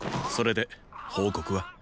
それで報告は。